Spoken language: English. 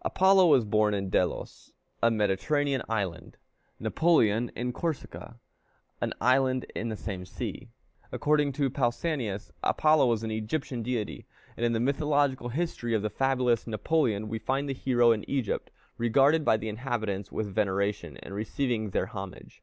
Apollo was born in Delos, a Mediterranean island; Napoleon in Corsica, an island in the same sea. According to Pausanias, Apollo was an Egyptian deity; and in the mythological history of the fabulous Napoleon we find the hero in Egypt, regarded by the inhabitants with veneration, and receiving their homage.